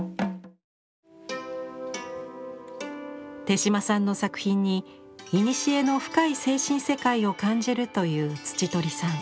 手島さんの作品にいにしえの深い精神世界を感じるという土取さん。